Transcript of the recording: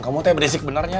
kamu tuh yang berisik benernya